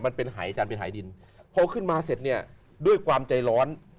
มันเป็นหายอาจารย์เป็นหายดินพอขึ้นมาเสร็จเนี่ยด้วยความใจร้อน